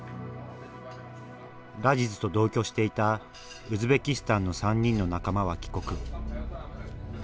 ラジズと同居していたウズベキスタンの３人の仲間は帰国。